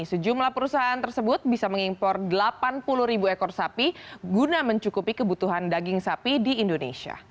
sejumlah perusahaan tersebut bisa mengimpor delapan puluh ribu ekor sapi guna mencukupi kebutuhan daging sapi di indonesia